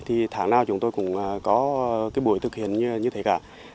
thì tháng nào chúng tôi cũng có cái buổi thực hiện như thế cả